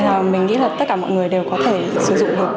là mình nghĩ là tất cả mọi người đều có thể sử dụng được